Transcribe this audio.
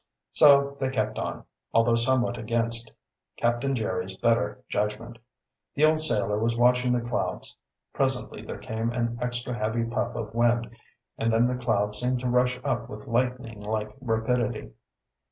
So they kept on, although somewhat against Captain Jerry's better judgment. The old sailor was watching the clouds. Presently there came an extra heavy puff of wind, and then the clouds seemed to rush up with lightning like rapidity.